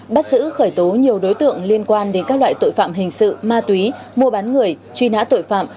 bắt giữ khởi tố nhiều đối tượng liên quan đến các loại tội phạm hình sự ma túy mua bán người truy nã tội phạm